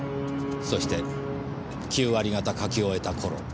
そして９割方描き終えた頃。